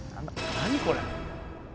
何これ？